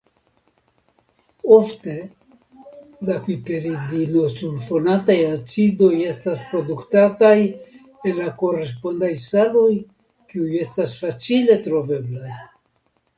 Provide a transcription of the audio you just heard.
Ofte la piperidinosulfonataj acidoj estas produktataj el la korespondaj saloj kiuj estas facile troveblaj.